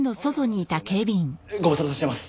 ご無沙汰してます。